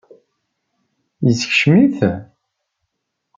Yeskcem-it?